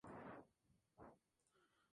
De culto muy común en la antigua Galia.